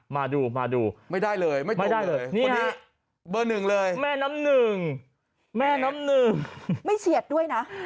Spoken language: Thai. แม่น้ำหนึ่งไม่เฉียดด้วยนะ